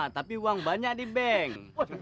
tapi uang banyak di bank